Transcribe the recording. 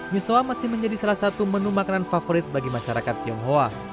⁇ soa masih menjadi salah satu menu makanan favorit bagi masyarakat tionghoa